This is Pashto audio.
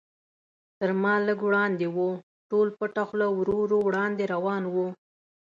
تر ما لږ وړاندې و، ټول پټه خوله ورو ورو وړاندې روان و.